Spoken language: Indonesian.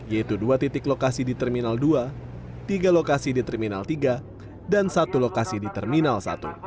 yaitu dua titik lokasi di terminal dua tiga lokasi di terminal tiga dan satu lokasi di terminal satu